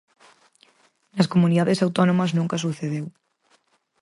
Nas comunidades autónomas nunca sucedeu.